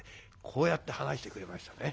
こうやって話してくれましたね。